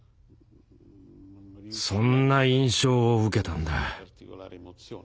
そんな印象を受けたんだ。